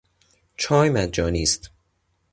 چای مجانی است.